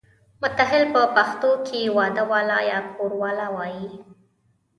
متاهل په پښتو کې واده والا یا کوروالا وایي.